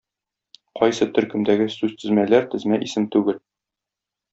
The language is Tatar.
Кайсы төркемдәге сүзтезмәләр тезмә исем түгел?